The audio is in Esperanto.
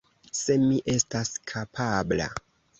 Se mi estas kapabla!